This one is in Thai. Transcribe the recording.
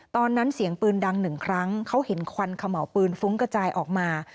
ตอนนั้นเสียงปืนดังหนึ่งครั้งเขาเห็นควันเขม่าวปืนฟุ้งกระจายออกมา